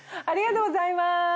ありがとうございます。